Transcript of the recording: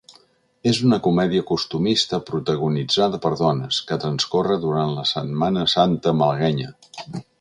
És una comèdia costumista protagonitzada per dones, que transcorre durant la Setmana Santa malaguenya.